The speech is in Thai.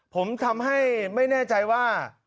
ผมทำให้ไม่แน่ใจว่า